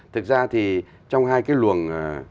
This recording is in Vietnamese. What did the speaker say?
thực ra thì trong hai cái luồng